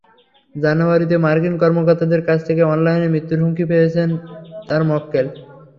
জানুয়ারিতে মার্কিন কর্মকর্তাদের কাছ থেকে অনলাইনে মৃত্যুর হুমকি পেয়েছেন তাঁর মক্কেল।